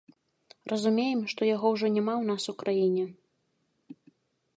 Разумеем, што яго ўжо няма ў нас у краіне.